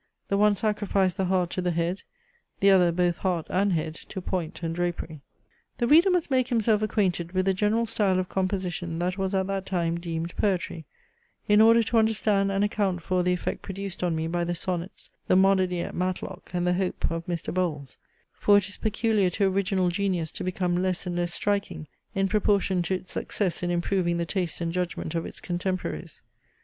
The one sacrificed the heart to the head; the other both heart and head to point and drapery. The reader must make himself acquainted with the general style of composition that was at that time deemed poetry, in order to understand and account for the effect produced on me by the Sonnets, the Monody at Matlock, and the Hope, of Mr. Bowles; for it is peculiar to original genius to become less and less striking, in proportion to its success in improving the taste and judgment of its contemporaries.